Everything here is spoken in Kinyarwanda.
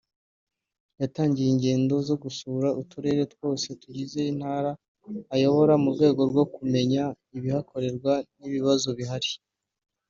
yatangiye ingendo zo gusura uturere twose tugize intara ayobora mu rwego rwo kumenya ibihakorerwa n’ibabazo bihari